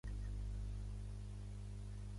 Canviï d'hàbitat en veure-ho magre.